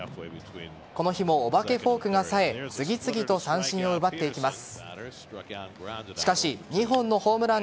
この日もお化けフォークがさえ次々と三振を奪っていきます。